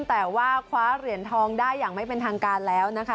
แต่ว่าคว้าเหรียญทองได้อย่างไม่เป็นทางการแล้วนะคะ